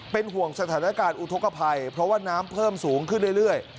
เป็นห่วงสถานการณ์อุทธกภัยเพราะว่าน้ำเพิ่มสูงขึ้นเรื่อย